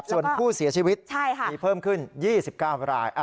ส่วนผู้เสียชีวิตมีเพิ่มขึ้น๒๙ราย